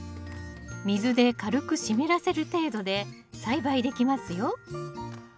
水で軽く湿らせる程度で栽培できますよ